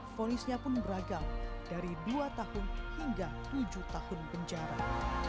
fonisnya pun beragam dari dua tahun hingga tujuh tahun penjara